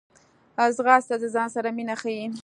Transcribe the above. ځغاسته د ځان سره مینه ښيي